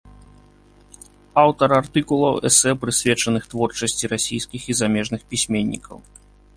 Аўтар артыкулаў, эсэ прысвечаных творчасці расійскіх і замежных пісьменнікаў.